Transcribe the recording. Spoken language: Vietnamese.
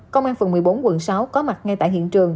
công an phường một mươi bốn quận sáu có mặt ngay tại hiện trường